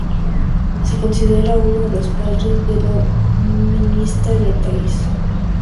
Se considera uno de los "padres" de la numismática en el país.